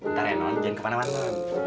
ntar yang non jangan kemana mana